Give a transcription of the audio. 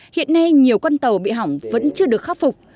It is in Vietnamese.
hiện nay nhiều con tàu bị hỏng vẫn chưa được khắc phục